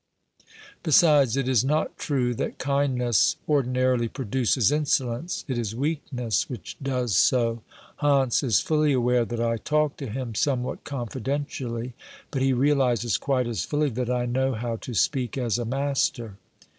Besides it is not true that kindness ordinarily 252 OBERMANN produces insolence ; it is weakness which does so. Hantz is fully aware that I talk to him somewhat confidentially, but he realises quite as fully that I know how to speak as a master.